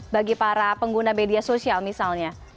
bagi para pengguna media sosial misalnya